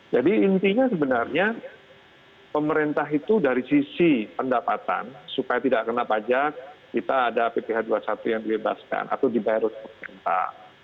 jadi intinya sebenarnya pemerintah itu dari sisi pendapatan supaya tidak kena pajak kita ada pph dua puluh satu yang dilebaskan atau dibayar oleh pemerintah